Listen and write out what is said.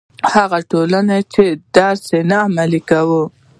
هغه ټولنې چې دا درس نه عملي کوي.